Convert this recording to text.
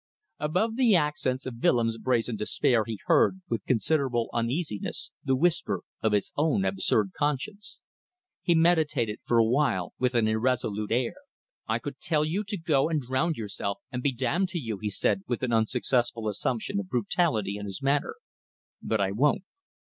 Above the accents of Willems' brazen despair he heard, with considerable uneasiness, the whisper of his own absurd conscience. He meditated for awhile with an irresolute air. "I could tell you to go and drown yourself, and be damned to you," he said, with an unsuccessful assumption of brutality in his manner, "but I won't.